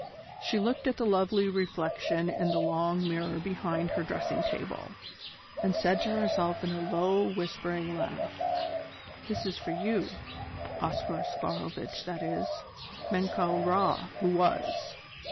She looked at the lovely reflection in the long mirror behind her dressing table, and said to herself in a low, whispering laugh: "This for you, Oscar Oscarovitch that is, Menkau Ra who was!